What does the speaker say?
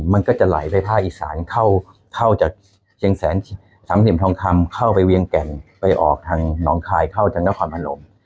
มันก็จะไหลไปภาคอีสานเข้าเข้าจากเชียงแสนสามสิบทองคำเข้าไปเวียงแก่งไปออกทางน้องคลายเข้าจากนักความอารมณ์